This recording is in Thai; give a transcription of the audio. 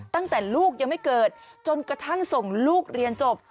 ตั้งแต่ลูกยังไม่เกิดจนกระทั่งส่งลูกเรียนจบ